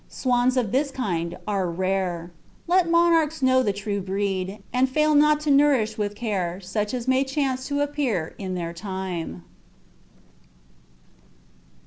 Swans of this kind are rare. Let monarchs know the true breed, and fail not to nourish with care such as may chance to appear in their time."